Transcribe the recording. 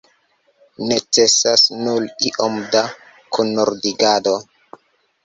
Necesas nur iom da kunordigado.